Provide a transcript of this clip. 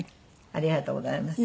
ありがとうございます。